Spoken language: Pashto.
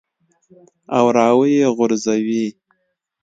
او راویې غورځوې.